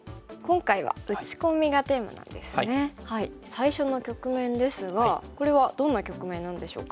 最初の局面ですがこれはどんな局面なんでしょうか。